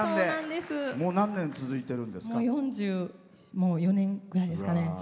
４４年ぐらいですね。